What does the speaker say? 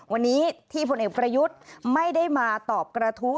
วันนี้ที่พลเอกประยุทธ์ไม่ได้มาตอบกระทู้